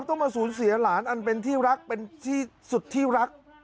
ต้องมาสูญเสียหลานอันเป็นที่รักเป็นที่สุดที่รัก